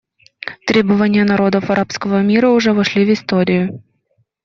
Требования народов арабского мира уже вошли в историю.